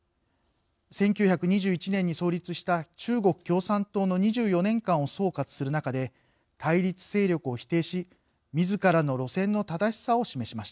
１９２１年に創立した中国共産党の２４年間を総括する中で対立勢力を否定しみずからの路線の正しさを示しました。